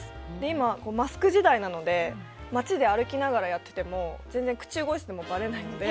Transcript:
今マスク時代なので街で歩きながらやっていても口が動いていてもばれないので。